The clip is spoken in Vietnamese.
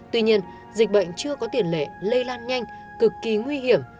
tuy nhiên dịch bệnh chưa có tiền lệ lây lan nhanh cực kỳ nguy hiểm